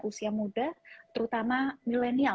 usia muda terutama milenial